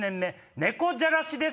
ねこじゃらしです